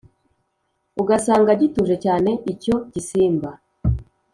Ugasanga gituje cyane icyo gisimba